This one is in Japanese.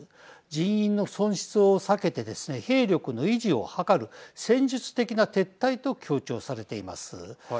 人員の損失を避けてですね兵力の維持を図る戦術的な撤退と強調されています。